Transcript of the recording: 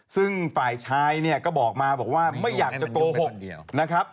ซึ่งฝ่ายชายเนี่ยก็บอกมาบอกว่าไม่อยากจะโกหกนะครับ